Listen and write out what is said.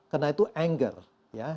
karena itu anger ya